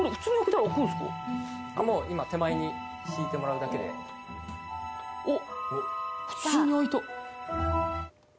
・もう今手前に引いてもらうだけで・おっ普通に開いた。